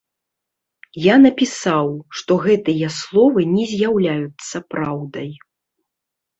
Я напісаў, што гэтыя словы не з'яўляюцца праўдай.